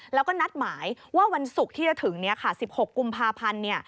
แล้วก็นัดหมายว่าวันศุกร์ที่จะถึง๑๖กุมภาพันธ์